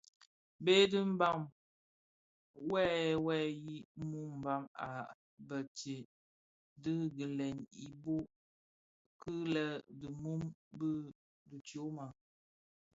Bë bi Mbam yèn yè yi muu mbam a begsè dhi gilèn ibouk ki lè di mum dhi tyoma.